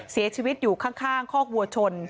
เสียชีวิตอยู่ข้างคอกวัวชน